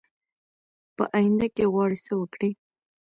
په آینده کې غواړي څه وکړي ؟